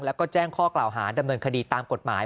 แล้วก็แจ้งข้อกล่าวหาดำเนินคดีตามกฎหมาย